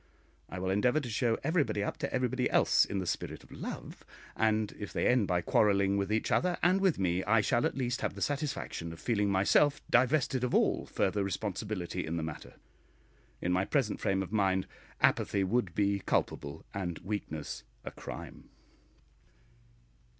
I will endeavour to show everybody up to everybody else in the spirit of love; and if they end by quarrelling with each other and with me, I shall at least have the satisfaction of feeling myself divested of all further responsibility in the matter. In my present frame of mind apathy would be culpable and weakness a crime....